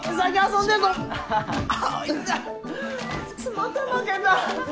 また負けた！